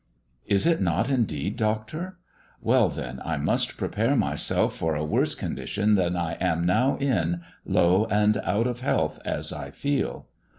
"Is it not indeed, Doctor. Well, then, I must prepare myself for a worse condition than I am now in, low and out of health as I feel."